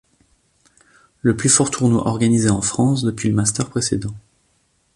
Le plus fort tournoi organisé en France depuis le Master précédent.